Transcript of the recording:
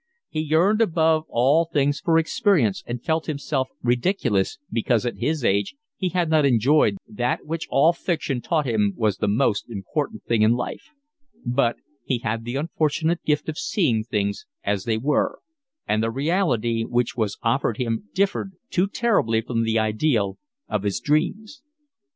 He yearned above all things for experience and felt himself ridiculous because at his age he had not enjoyed that which all fiction taught him was the most important thing in life; but he had the unfortunate gift of seeing things as they were, and the reality which was offered him differed too terribly from the ideal of his dreams.